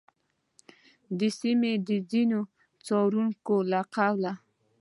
د سیمې د ځینو څارونکو له قوله،